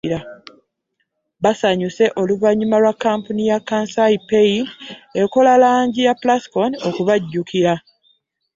Basanyuse oluvannyuma lwa kkampuni ya Kansai Paint ekola langi ya Plascon okubajjukira